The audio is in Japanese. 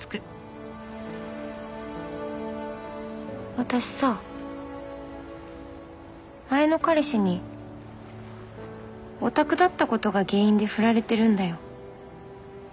私さ前の彼氏にヲタクだったことが原因でフラれてるんだよ。